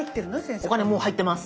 もう入ってます。